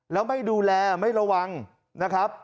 แล้วไม่ดูแลไม่ระวังนะครับ